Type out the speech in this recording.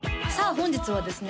本日はですね